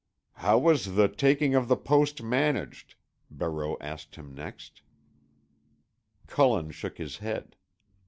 "How was the taking of the post managed?" Barreau asked him next. Cullen shook his head.